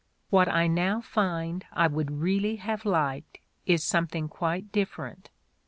... What I now find I would really have liked is something quite differ ent.